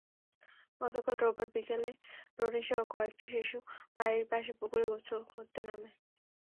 গতকাল রোববার বিকেলে রনিসহ কয়েকটি শিশু বাড়ির পাশে পুকুরে গোসল করতে নামে।